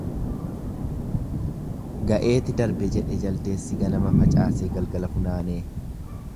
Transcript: Ga'eeti darbe jedhe jaldeessi ganama facaasee galgala funaanee.